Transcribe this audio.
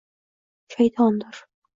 Shaytondir».